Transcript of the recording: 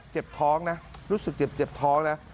เจ็บท้องนะรู้สึกเจ็บท้องนะ